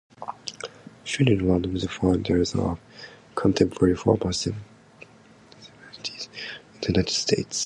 She is one of the founders of contemporary formal semantics in the United States.